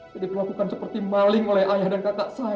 jadi dilakukan seperti maling oleh ayah dan kakak saya